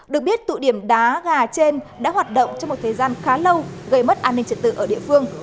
được biết tụ điểm đá gà trên đã hoạt động trong một thời gian khá lâu gây mất an ninh trật tự ở địa phương